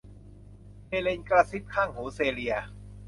เฮเลนกระซิบข้างหูเซเลีย